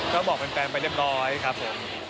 ก็บอกเป็นแฟนไปเรื่องร้อยครับผม